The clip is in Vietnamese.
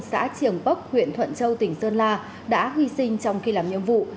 xã triều bốc huyện thuận châu tỉnh sơn la đã huy sinh trong khi làm nhiệm vụ